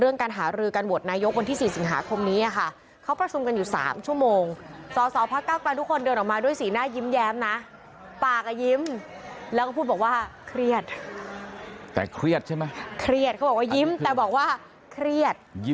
งานประชุมสอดศอดของเก้าไกลที่